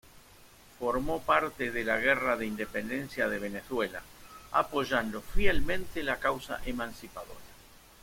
Formó parte de la Guerra de Independencia de Venezuela, apoyando fielmente la causa emancipadora.